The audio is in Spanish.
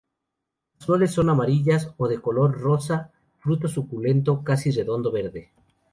Las flores son amarillas o de color de rosa; fruto suculento casi redondo, verde.